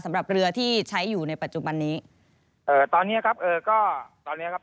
สำหรับเรือที่ใช้อยู่ในปัจจุบันนี้เอ่อตอนเนี้ยครับเอ่อก็ตอนเนี้ยครับ